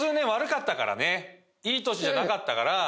いい年じゃなかったから。